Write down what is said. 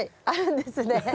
あるんですね。